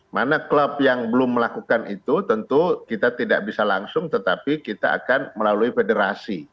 mana klub yang belum melakukan itu tentu kita tidak bisa langsung tetapi kita akan melalui federasi